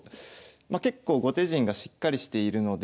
ま結構後手陣がしっかりしているので。